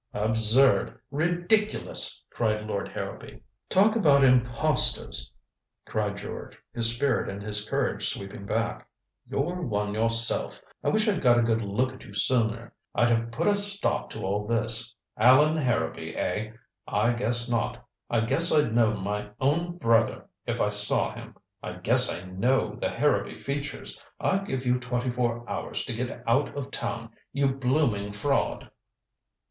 "Absurd ridiculous " cried Lord Harrowby. "Talk about impostors," cried George, his spirit and his courage sweeping back. "You're one yourself. I wish I'd got a good look at you sooner, I'd have put a stop to all this. Allan Harrowby, eh? I guess not. I guess I'd know my own brother if I saw him. I guess I know the Harrowby features. I give you twenty four hours to get out of town you blooming fraud."